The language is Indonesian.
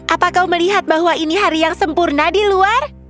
apa kau melihat bahwa ini hari yang sempurna di luar